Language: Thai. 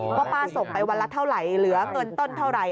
ว่าป้าส่งไปวันละเท่าไหร่เหลือเงินต้นเท่าไหร่